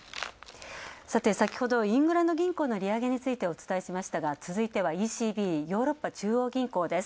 先ほどイングランド銀行の利上げについてお伝えしましたが、続いてはＥＣＢ＝ヨーロッパ中央銀行です。